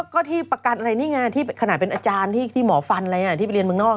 ก็ที่ประกันอะไรนี่ไงที่ขนาดเป็นอาจารย์ที่หมอฟันอะไรที่ไปเรียนเมืองนอก